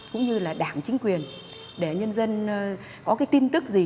cũng như là đảng chính quyền để nhân dân có cái tin tức gì